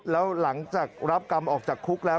แล้วหลังจากรับกรรมออกจากคุกแล้ว